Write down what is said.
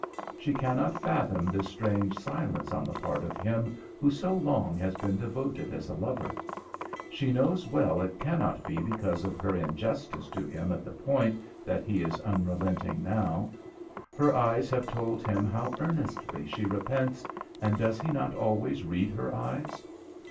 She cannot fathom this strange silence on the part of him who so long has been devoted as a lover. She knows well it cannot be because of her injustice to him at the Point that he is unrelenting now. Her eyes have told him how earnestly she repents: and does he not always read her eyes?